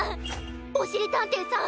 おしりたんていさん